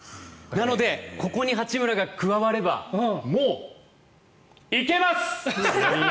なので、ここに八村が加わればもう行けます！